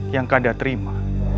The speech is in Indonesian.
yang kanda terima